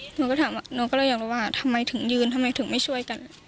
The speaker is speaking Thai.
หนูก็อยากรู้ว่าทำไมถึงยืนทำไมถึงไม่ช่วยกัน